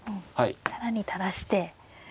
更に垂らして。